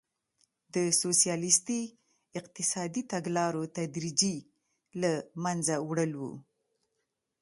د سوسیالیستي اقتصادي تګلارو تدریجي له منځه وړل وو.